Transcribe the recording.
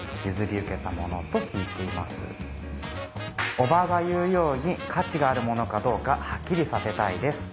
伯母が言うように価値があるものかどうかはっきりさせたいです。